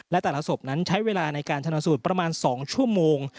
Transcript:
และแต่ละศพนั้นใช้เวลาในการชนสูตรประมาณ๒ชั่วโมง